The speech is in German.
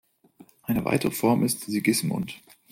Eine weitere Form ist Sigismund.